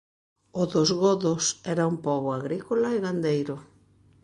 O dos godos era un pobo agrícola e gandeiro.